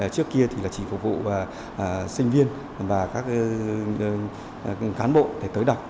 trước kia chỉ phục vụ sinh viên và các cán bộ tới đọc